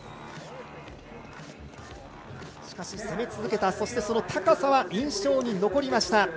しかし、攻め続けたその高さは印象に残りました。